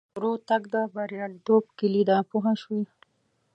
ورو تګ د بریالیتوب کیلي ده پوه شوې!.